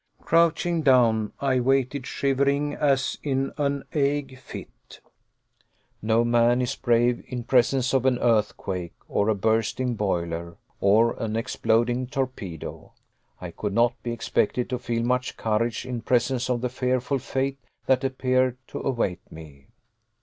Crouching down, I waited shivering as in an ague fit. No man is brave in presence of an earthquake, or a bursting boiler, or an exploding torpedo. I could not be expected to feel much courage in presence of the fearful fate that appeared to await me.